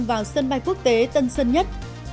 vào sân bay quốc tế tân sơn nhất